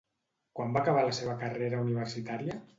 Quan va acabar la seva carrera universitària?